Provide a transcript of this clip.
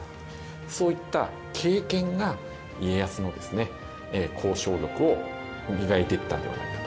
そういった経験が家康の交渉力を磨いていったんではないかというふうに思います。